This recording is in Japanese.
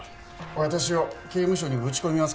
私を刑務所にぶち込みますか？